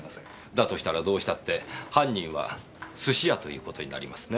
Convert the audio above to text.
だとしたらどうしたって犯人は寿司屋ということになりますね。